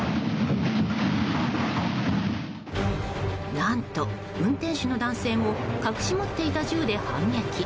何と、運転手の男性も隠し持っていた銃で反撃。